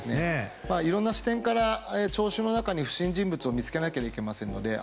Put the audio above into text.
いろいろな視点から聴衆の中に不審人物を見つけないといけませんのであ